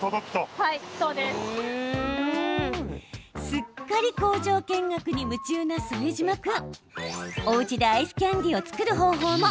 すっかり工場見学に夢中な副島君。